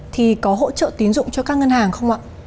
thì có hỗ trợ tín dụng cho các ngân hàng không ạ